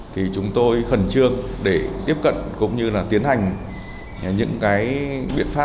thì chúng tôi khẩn trương để tiếp cận cũng như tiến hành những biện pháp